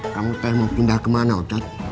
kamu mau pindah kemana otad